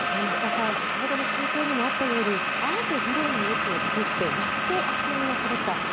増田さん先ほどの中継にもあったようにあえて議論の余地を作ってやっと足並みがそろった。